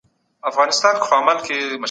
هغه کسان چي فکر کوي، حقيقت ته رسيږي.